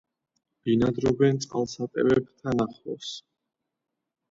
ბინადრობენ წყალსატევებთან ახლოს.